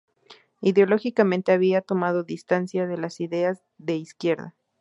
Ideológicamente había tomado distancia de las ideas de izquierda.